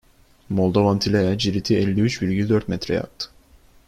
Moldovan-Tilea ciriti elli üç virgül dört metreye attı.